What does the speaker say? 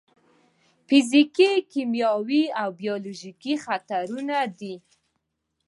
فزیکي، کیمیاوي او بیولوژیکي خطرونه دي.